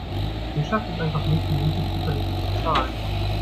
Sie schafft es einfach nicht, die Miete zuverlässig zu zahlen.